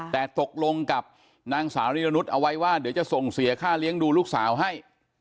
แต่ตกลงกับนางสาวรีรนุษย์เอาไว้ว่าเดี๋ยวจะส่งเสียค่าเลี้ยงดูลูกสาวให้